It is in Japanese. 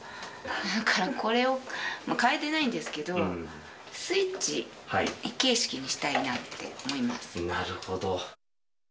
だからこれを変えてないんですけど、スイッチ形式にしたいなってなるほど。